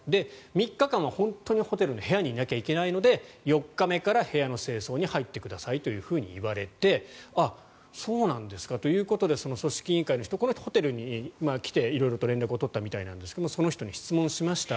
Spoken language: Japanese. ３日間は本当にホテルの部屋にいなきゃいけないので４日目から部屋の清掃に入ってくださいと言われてそうなんですかということで組織委員会の人この人、ホテルに来て色々と連絡を取ったみたいですがその人に質問しました。